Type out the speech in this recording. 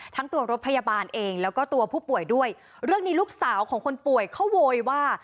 ทั้งตัวรถพยาบาลเองแล้วก็ตัวผู้ป่วยด้วยเรื่องนี้ลูกสาวของคนป่วยเขาโวยว่า